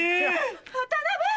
渡辺！